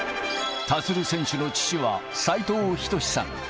立選手の父は斉藤仁さん。